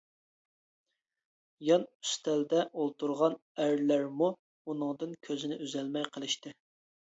يان ئۈستەلدە ئولتۇرغان ئەرلەرمۇ ئۇنىڭدىن كۆزىنى ئۈزەلمەي قېلىشتى.